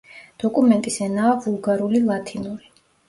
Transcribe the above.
დოკუმენტის ენაა ვულგარული ლათინური.